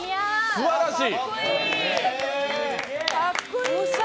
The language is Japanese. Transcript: すばらしい！